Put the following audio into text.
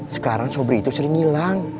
sekarang sobri itu sering hilang